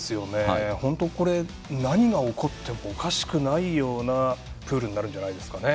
これ、何が起こってもおかしくないようなプールになるんじゃないんですか。